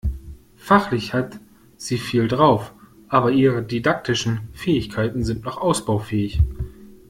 Fachlich hat sie viel drauf, aber ihre didaktischen Fähigkeiten sind noch ausbaufähig.